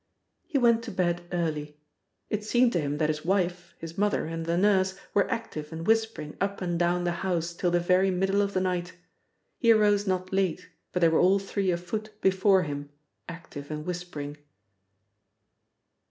He went to bed early. It seemed to him that his wife, his mother, and the nurse were active and whispering up and down the house till the very middle of the night. He arose not late, but they were all three afoot before him, active and whispering.